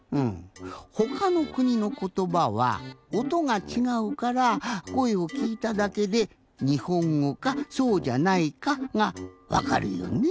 ほかのくにのことばはおとがちがうからこえをきいただけでにほんごかそうじゃないかがわかるよね？